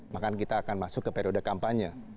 maka kita akan masuk ke periode kampanye